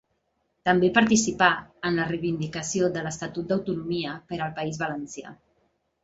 També participà en la reivindicació de l'estatut d'autonomia per al País Valencià.